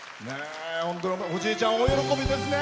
おじいちゃん、大喜びですね。